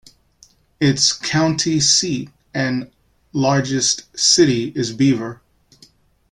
Its county seat and largest city is Beaver.